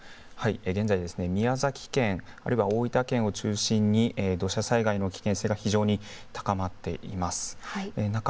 現在、宮崎県、あるいは大分県を中心に土砂災害の危険性が非常に高まっています。